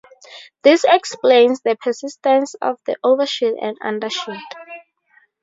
This explains the persistence of the overshoot and undershoot.